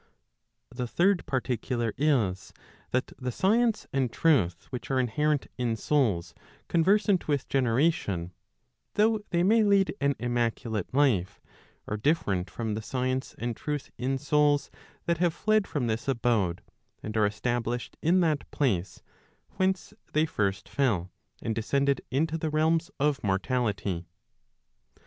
The third particular is, that the science and truth which are inherent in souls conversant with generation, though they may lead an immaculate life, are different from the science and truth in souls that have fled from this abode, and are established in that place whence they first fell, and descended into the realms of mortality.